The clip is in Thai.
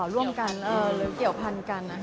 ร่วมกันเกี่ยวพันกัน